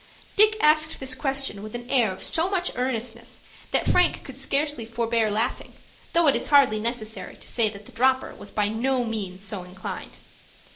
Dick asked this question with an air of so much earnestness that Frank could scarcely forbear laughing, though it is hardly necessary to say that the dropper was by no means so inclined.